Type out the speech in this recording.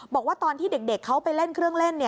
บอกว่าตอนที่เด็กเขาไปเล่นเครื่องเล่น